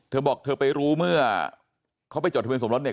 เธอบอกเธอไปรู้เมื่อเขาไปจดทะเบียสมรสเนี่ย